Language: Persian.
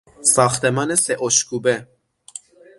ساختمان سه اشکوبه